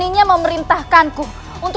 dibawa ke ruang laut